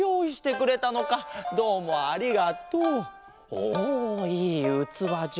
おいいうつわじゃ！